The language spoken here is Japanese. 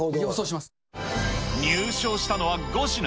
入賞したのは５品。